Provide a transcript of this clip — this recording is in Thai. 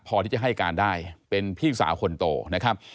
พอที่จะให้การได้เป็นพี่สาวคนโตนะครับ